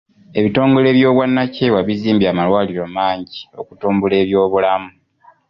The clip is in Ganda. Ebitongole by'obwannakyewa bizimbye amalwaliro mangi okutumbula ebyobulamu.